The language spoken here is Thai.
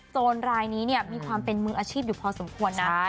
รายนี้เนี่ยมีความเป็นมืออาชีพอยู่พอสมควรนะ